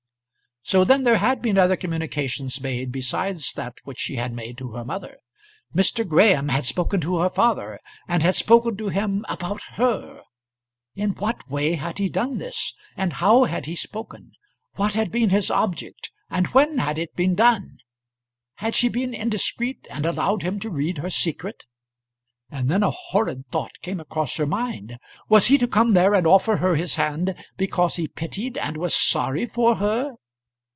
So then there had been other communications made besides that which she had made to her mother. Mr. Graham had spoken to her father, and had spoken to him about her. In what way had he done this, and how had he spoken? What had been his object, and when had it been done? Had she been indiscreet, and allowed him to read her secret? And then a horrid thought came across her mind. Was he to come there and offer her his hand because he pitied and was sorry for her?